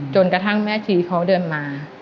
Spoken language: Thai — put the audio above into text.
จนกระทั่งแม่ชีเขาเดินมา